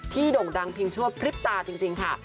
โด่งดังเพียงชั่วพริบตาจริงค่ะ